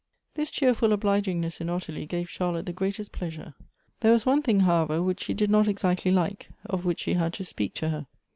This cheerful obligingness in Ottilie gave Charlotte the 54 Goethe's greatest pleasure. There was one thing, however, which she did not exactly like, of which she had to speak to her.